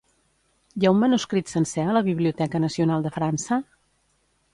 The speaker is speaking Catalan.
Hi ha un manuscrit sencer a la Biblioteca Nacional de França?